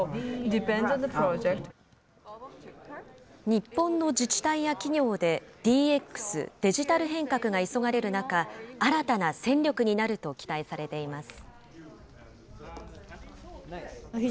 日本の自治体や企業で、ＤＸ・デジタル変革が急がれる中、新たな戦力になると期待されています。